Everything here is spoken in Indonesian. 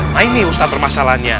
nah ini ustaz permasalahannya